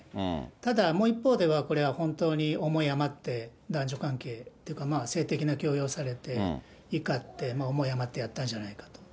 ただ、もう一方では、これは本当に思い余って、男女関係というか、性的な強要されて、怒って、思い余ってやったんじゃないかと。